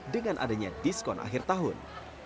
dengan adanya diskon akhir tahun